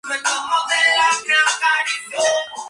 La mujer fatal es con frecuencia su rival o enemiga.